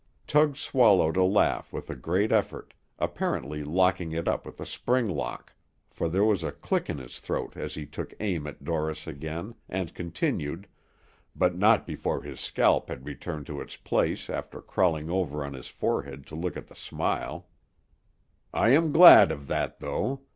Tug swallowed a laugh with a great effort, apparently locking it up with a spring lock, for there was a click in his throat as he took aim at Dorris again and continued, but not before his scalp had returned to its place after crawling over on his forehead to look at the smile, "I am glad of that, though.